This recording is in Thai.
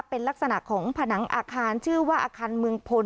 เป็นลักษณะของผนังอาคารชื่อว่าอาคารเมืองพล